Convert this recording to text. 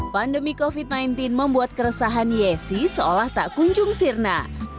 pandemi covid sembilan belas membuat keresahan yesi seolah tak kunjung sirna